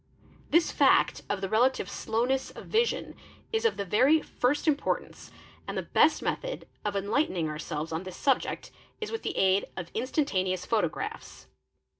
This fact of the relative slowness of vision is of the very first import ance and the best method of enlightening ourselvess on this subject is with the aid of instantaneous photographs.